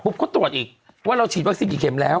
เขาตรวจอีกว่าเราฉีดวัคซีนกี่เข็มแล้ว